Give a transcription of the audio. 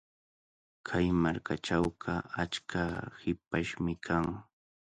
Kay markachawqa achka hipashmi kan.